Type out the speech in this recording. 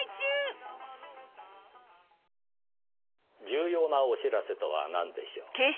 重要なお知らせとはなんでしょう？